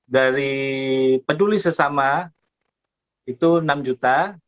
dari penduli sesuatu itu enam juta